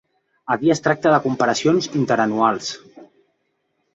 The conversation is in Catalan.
Aquí es tracta de comparacions interanuals.